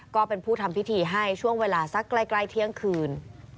ก็เป็นผู้ทำพิธีให้ช่วงเวลาสักใกล้เที่ยงคืน